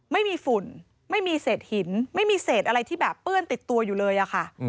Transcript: ไม่มีฝุ่นไม่มีเศษหินไม่มีเศษอะไรที่แบบเปื้อนติดตัวอยู่เลยอะค่ะ